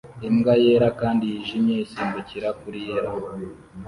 Imbwa yera kandi yijimye isimbukira kuri yera